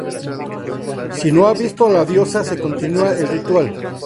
Si no ha vista a la diosa, se continúa el ritual.